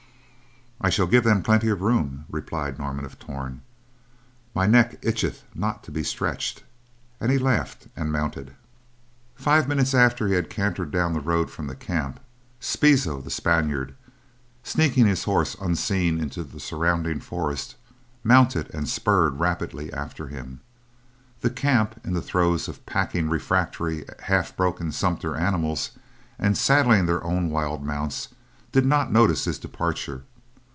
"I shall give them plenty of room," replied Norman of Torn. "My neck itcheth not to be stretched," and he laughed and mounted. Five minutes after he had cantered down the road from camp, Spizo the Spaniard, sneaking his horse unseen into the surrounding forest, mounted and spurred rapidly after him. The camp, in the throes of packing refractory, half broken sumpter animals, and saddling their own wild mounts, did not notice his departure.